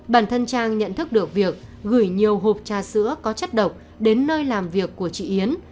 bản thân trang nhận thức được việc gửi nhiều hộp trà sữa có chất độc đến nơi làm việc của chị yến